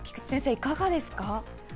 いかがですか？